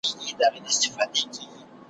چا د غرونو چا د ښار خواته ځغستله `